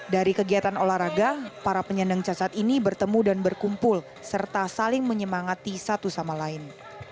dari kegiatan olahraga para penyandang cacat ini bertemu dan berkumpul serta saling menyemangati satu sama lain